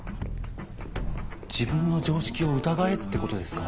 自分の常識を疑えってことですか？